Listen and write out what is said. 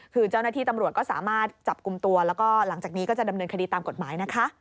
คือเจ้าหน้าที่ตำรวจก็สามารถจับกลุ่มตัวแล้วก็หลังจากนี้ก็จะดำเนินคดีตามกฎหมายนะคะ